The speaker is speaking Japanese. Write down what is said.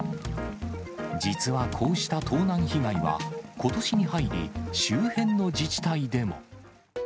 実はこうした盗難被害は、ことしに入り、周辺の自治体でも。